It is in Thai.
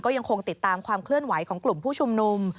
ยังคงติดตามความเคลื่อนไหวของกลุ่มผู้ชุมนุม